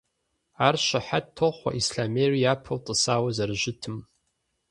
Ар щыхьэт тохъуэ Ислъэмейр япэу тӀысауэ зэрыщытым.